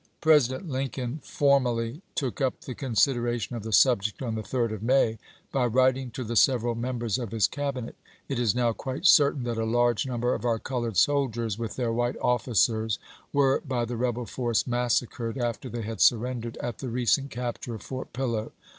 President Lincoln formally took up the consider ation of the subject, on the 3d of May, by writing im*. to the several members of his Cabinet :" It is now quite certain that a large number of our colored soldiers, with their white officers, were, by the rebel force, massacred after they had surrendered, at the recent capture of Fort Pillow.